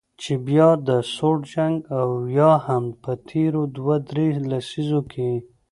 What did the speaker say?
چې بیا د سوړ جنګ او یا هم په تیرو دوه درې لسیزو کې